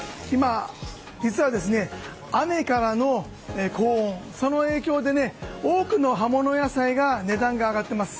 今、雨からの高温、その影響で多くの葉物野菜の値段が上がっています。